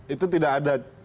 itu tidak ada